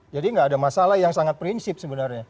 jadi gak ada masalah yang sangat prinsip sebenarnya